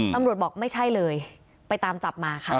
บอกไม่ใช่เลยไปตามจับมาค่ะ